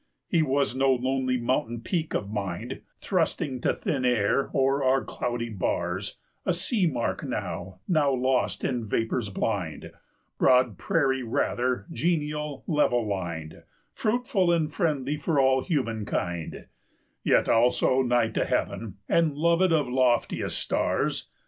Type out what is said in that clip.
His was no lonely mountain peak of mind, Thrusting to thin air o'er our cloudy bars, A sea mark now, now lost in vapors blind; 180 Broad prairie rather, genial, level lined, Fruitful and friendly for all human kind, Yet also nigh to heaven and loved of loftiest stars.